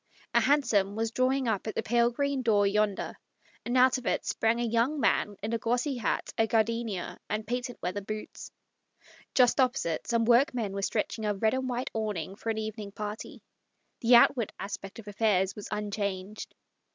A hansom was drawing up at the pale green door yonder, and out of it sprang a young man in a glossy hat, a gardenia, and patent leather boots. Just opposite some workmen were stretching a red and white awning for an evening party. The outward aspect of affairs was un changed.